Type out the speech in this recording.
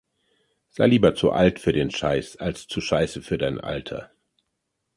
Sei lieber zu alt für den Scheiss als zu scheisse für dein Alter.